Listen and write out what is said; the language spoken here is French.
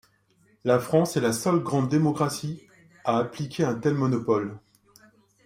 La France est la seule grande démocratie à appliquer un tel monopole.